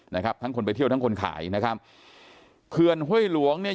นะครับทั้งคนไปเที่ยวทั้งคนขายนะครับเขื่อนห้วยหลวงเนี่ย